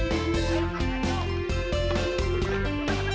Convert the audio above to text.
kebul deh lo tau gak